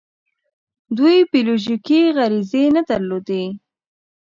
دوی بیولوژیکي غریزې نه درلودې.